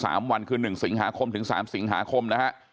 วิ่งไปอีก๓วันคือ๑สิงหาคมถึง๓สิงหาคมนะฮะ